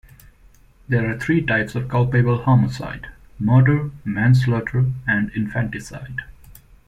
There are three types of culpable homicide: murder, manslaughter and infanticide.